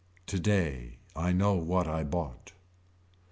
Today. I know what I bought.